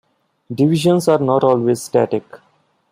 Divisions are not always static.